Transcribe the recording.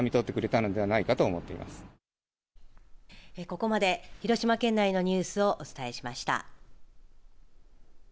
ここまで広島県内のニュースをお伝えしました。